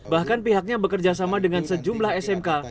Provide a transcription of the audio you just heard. bahkan pihaknya bekerjasama dengan sejumlah smk